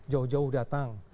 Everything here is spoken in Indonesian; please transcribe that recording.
jauh jauh datang